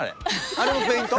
あれもペイント？